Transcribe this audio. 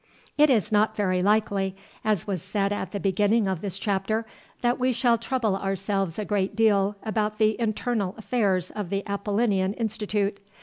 It is not very likely, as was said at the beginning of this chapter, that we shall trouble ourselves a great deal about the internal affairs of the Apollinean Institute.